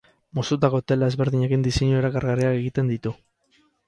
Moztutako tela ezberdinekin diseinu erakargarriak egiten ditu.